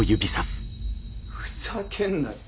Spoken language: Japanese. ふざけんなよ。